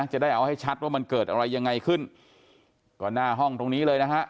จะได้เอาให้ชัดว่ามันเกิดอะไรยังไงขึ้นก็หน้าห้องตรงนี้เลยนะฮะ